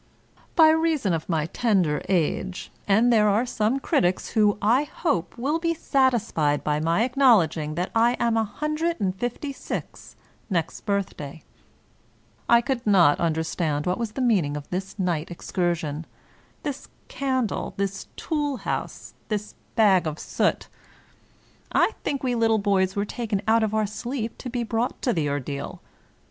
By reason of my tender age (and there are some critics who, I hope, will be satisfied by my acknowledging that I am a hundred and fifty six next birthday) I could not un derstand what was the meaning of this night excursion — this candle, this tool house, this bag of soot. I think we little boys were taken out of our sleep to be brought to the ordeal.